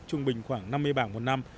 trung bình khoảng năm mươi bảng một năm